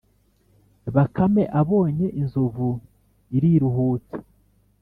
bakame abonye inzovu iriruhutsa